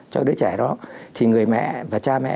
cho đứa trẻ đó thì người mẹ và cha mẹ